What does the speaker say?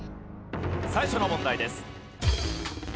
最初の問題です。